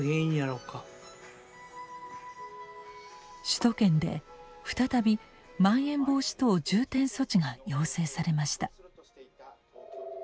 首都圏で再びまん延防止等重点措置が要請されました。